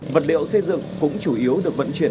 vật liệu xây dựng cũng chủ yếu được vận chuyển